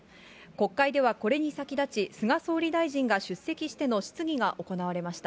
国会ではこれに先立ち、菅総理大臣が出席しての質疑が行われました。